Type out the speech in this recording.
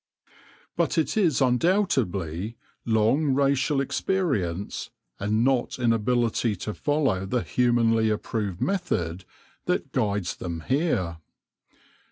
But it is undoubtedly long racial experience, and not inability to follow the humanly approved method, that guides them here.